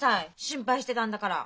心配してたんだから。